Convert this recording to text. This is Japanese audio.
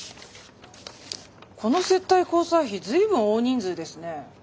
この接待交際費随分大人数ですね。